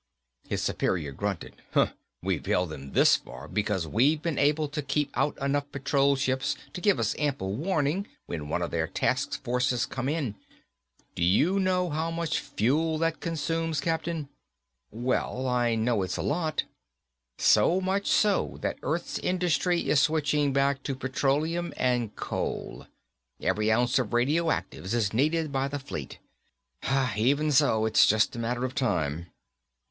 His superior grunted. "We've held them this far because we've been able to keep out enough patrol ships to give us ample warning when one of their task forces come in. Do you know how much fuel that consumes, Captain?" "Well, I know it's a lot." "So much so that Earth's industry is switching back to petroleum and coal. Every ounce of radioactives is needed by the Fleet. Even so, it's just a matter of time."